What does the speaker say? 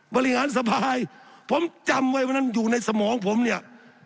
บริหารสภายผมจำไว้วันนั้นอยู่ในสมองผมเนี่ย